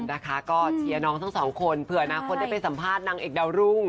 นะคะก็เชียร์น้องทั้งสองคนเผื่ออนาคตได้ไปสัมภาษณ์นางเอกดาวรุ่ง